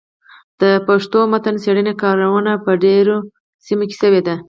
د پښتو متن څېړني کارونه په درو سيمو کي سوي دي.